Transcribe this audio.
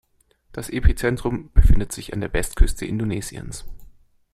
Das Epizentrum befindet sich an der Westküste Indonesiens.